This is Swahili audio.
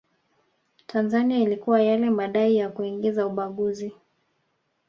Tanzania ilikuwa yale madai ya kuingiza ubaguzi